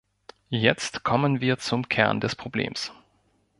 Jetzt kommen wir zum Kern des Problems.